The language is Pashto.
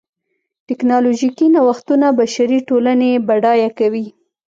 ټکنالوژیکي نوښتونه بشري ټولنې بډایه کوي.